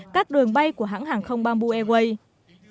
các đường bay của hãng hàng không bamboo airways